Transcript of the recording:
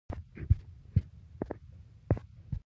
دا پلن دی